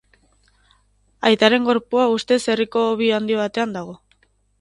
Aitaren gorpua ustez herriko hobi handi batean dago.